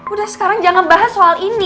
udah sekarang jangan bahas soal ini